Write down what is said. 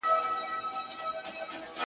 ټولو ته سوال دی؛ د مُلا لور ته له کومي راځي,